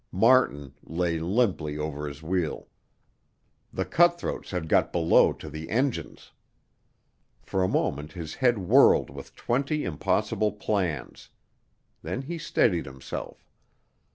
Martin lay limply over his wheel. The cutthroats had got below to the engines. For a moment his head whirled with twenty impossible plans. Then he steadied himself.